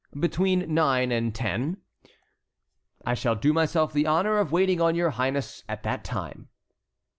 "Between nine and ten." "I shall do myself the honor of waiting on your highness at that time."